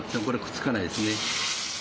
これくっつかないですね。